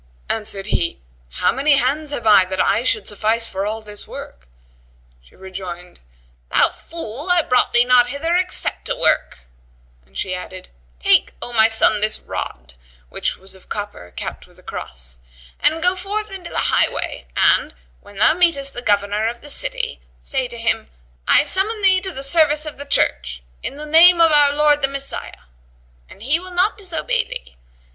Answered he, "How many hands have I, that I should suffice for all this work?" She rejoined, 'Thou fool, I brought thee not hither except to work;" and she added, "Take, O my son, this rod (which was of copper capped with a cross) and go forth into the highway and, when thou meetest the governor of the city, say to him, 'I summon thee to the service of the church, in the name of our Lord the Messiah.' And he will not disobey thee.